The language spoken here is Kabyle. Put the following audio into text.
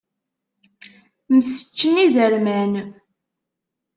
Mseččen izerman.